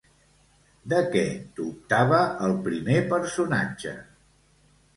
De què dubtava el primer personatge?